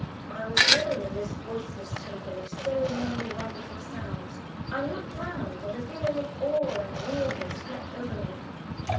I was alone in this voiceless temple of so many wonderful sounds. I looked round, and a feeling of awe and weirdness crept over me.